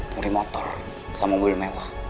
dari motor sama mobil mewah